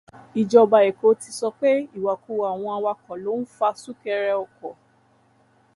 Ìjọba Èkó ti sọ pé ìwakuwà àwọn awakọ̀ ló ń fa súnkẹrẹ ọkọ̀.